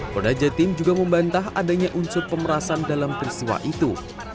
polda jatim juga membantah adanya unsur pemerasan dalam peristiwa itu